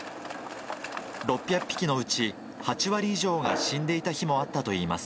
６００匹のうち、８割以上が死んでいた日もあったといいます。